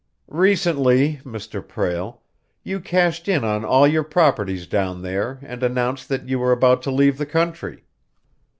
"Recently, Mr. Prale, you cashed in on all your properties down there and announced that you were about to leave the country."